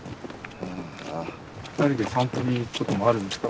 ２人で散歩に行くこともあるんですか？